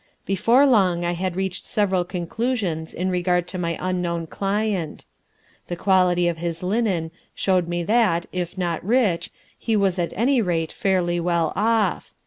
Before long I had reached several conclusions in regard to my unknown client. The quality of his linen showed me that, if not rich, he was at any rate fairly well off.